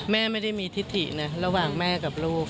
แม่ไม่ได้มีทิศถินะระหว่างแม่กับลูก